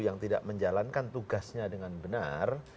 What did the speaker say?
yang tidak menjalankan tugasnya dengan benar